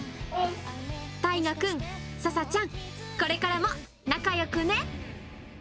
たいがくん、ささちゃん、これからも仲よくね。